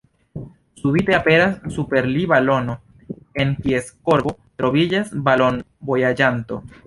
Subite aperas super li balono, en kies korbo troviĝas balon-vojaĝanto.